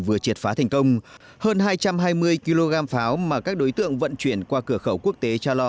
vừa triệt phá thành công hơn hai trăm hai mươi kg pháo mà các đối tượng vận chuyển qua cửa khẩu quốc tế cha lo